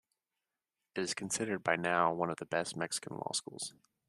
It is considered by now one of the best Mexican law schools.